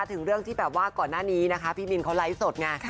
ถึงเรื่องที่แบบว่าก่อนหน้านี้นะคะพี่บินเขาไลฟ์สดไง